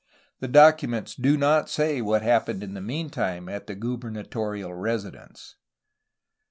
The documents do not say what happened in the meantime at the gubernatorial residence.